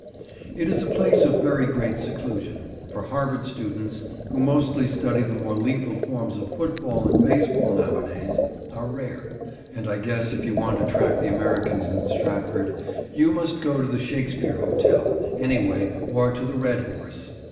It is a place of very great seclusion, for Harvard students (who mostly study the more lethal forms of football and baseball nowadays) are rare; and I guess if you want to track the Americans in Stratford, you must go to the Shakespeare Hotel, anyway, or to the "Red Horse."